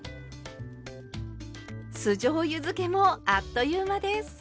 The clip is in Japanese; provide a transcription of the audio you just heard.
酢じょうゆづけもあっという間です。